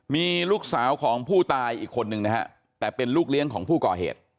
มีลูกสาวของผู้ตายอีกคนนึงนะฮะแต่เป็นลูกเลี้ยงของผู้ก่อเหตุ